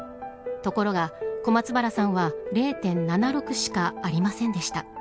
ところが、小松原さんは０．７６しかありませんでした。